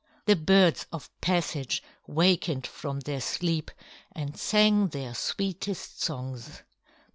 The birds of passage wakened from their sleep and sang their sweetest songs.